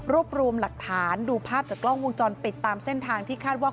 รวมรวมหลักฐานดูภาพจากกล้องวงจรปิดตามเส้นทางที่คาดว่า